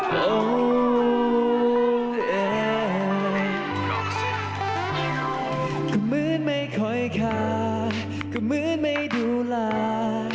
เหมือนไม่ค่อยคาก็เหมือนไม่ดูแล